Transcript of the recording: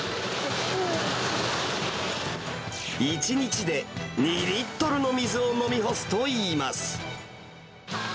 １日で２リットルの水を飲み干すといいます。